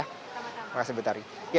terima kasih bu tari